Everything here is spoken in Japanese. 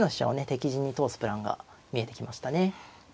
敵陣に通すプランが見えてきましたね。